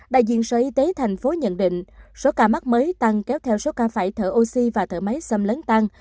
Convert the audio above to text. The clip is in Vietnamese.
đại diện sở y tế thành phố nhận định số ca mắc mới tăng kéo theo số ca phải thở oxy và thở máy xâm lấn tăng